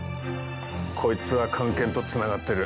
こいつは菅研とつながってる。